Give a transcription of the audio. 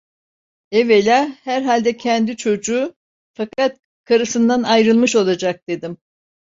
Evvela, herhalde kendi çocuğu, fakat karısından ayrılmış olacak, dedim.